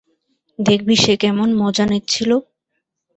দেখবি সে কেমন মজা নিচ্ছিল?